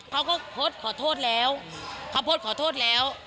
เขาก็โพสต์ขอโทษแล้ว